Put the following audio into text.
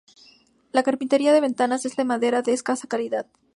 La carpintería de ventanas es de madera de escasa calidad.